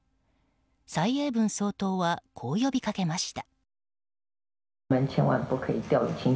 蔡英文総統はこう呼びかけました。